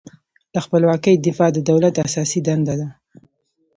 له خپلواکۍ دفاع د دولت اساسي دنده ده.